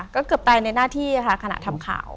ก็เกือบตายในหน้าที่ค่ะขณะทำข่าว